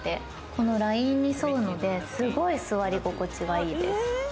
このラインに沿うので、すごい座り心地はいいです。